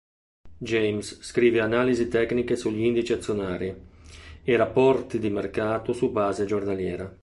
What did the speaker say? James scrive analisi tecniche sugli indici azionari e rapporti di mercato su base giornaliera.